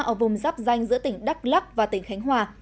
ở vùng rắp danh giữa tỉnh đắk lắk và tỉnh khánh hòa